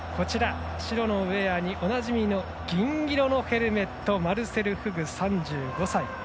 白のウエアに銀色のヘルメットマルセル・フグ、３５歳。